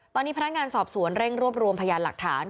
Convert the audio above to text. ตอนนี้พนักงานสอบสวนเร่งรวบรวมพยานหลักฐาน